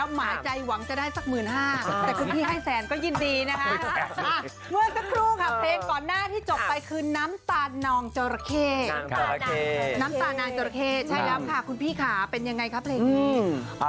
น้ำตานางเจาะละเคใช่แล้วค่ะคุณพี่ค่ะเป็นยังไงคะเพลงนี้